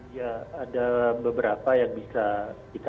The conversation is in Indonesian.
ya ada beberapa yang bisa kita